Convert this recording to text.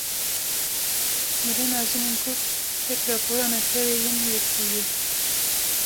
Mirina jinên Kurd, ket rapora Neteweyên Yekbûyî